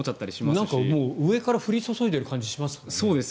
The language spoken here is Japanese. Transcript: なんか上から降り注いでいる感じがしますよね。